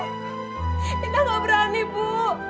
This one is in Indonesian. ibu tidak berani ibu